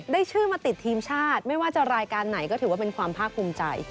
ได้ชื่อมาติดทีมชาติไม่ว่าจะรายการไหนก็ถือว่าเป็นความภาคภูมิใจ